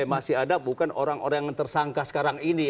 masih ada bukan orang orang yang tersangka sekarang ini